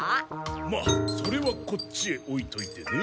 まあそれはこっちへ置いといてね。